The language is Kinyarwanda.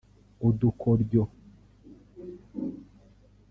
udukoryo